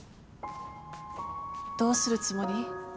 どうするつもり？